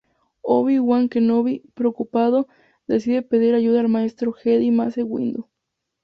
Obi-Wan Kenobi, preocupado, decide pedir ayuda al Maestro Jedi Mace Windu.